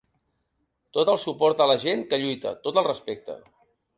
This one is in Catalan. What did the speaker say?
Tot el suport a la gent que lluita, tot el respecte.